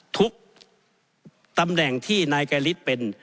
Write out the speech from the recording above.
ตำแหน่งที่นายไกรฤทธิ์เป็น